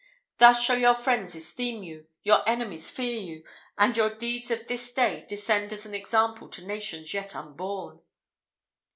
Thus shall your friends esteem you, your enemies fear you, and your deeds of this day descend as an example to nations yet unborn."